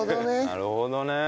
なるほどね。